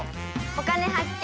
「お金発見」。